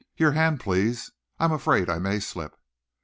"Your hand, please. I am afraid I may slip."